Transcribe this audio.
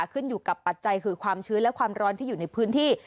ขึ้นอยู่กับปัจจัยคือความชื้นและความร้อนที่อยู่ในพื้นที่